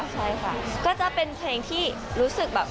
ใช่ค่ะก็จะเป็นเพลงที่รู้สึกแบบ